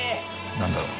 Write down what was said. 何だろう？